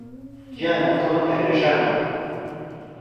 گیانە دڵم پەرێشانە